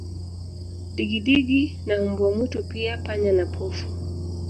Digidigi na mbwa mwitu pia panya na pofu